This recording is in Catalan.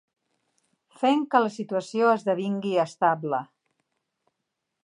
Fent que la situació esdevingui estable.